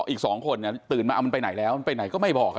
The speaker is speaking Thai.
อีก๒คนตื่นมาเอามันไปไหนแล้วมันไปไหนก็ไม่บอก